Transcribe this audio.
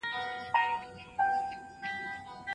هیلې غوښتل چې د پلار د مطالعې کتابونه وګوري.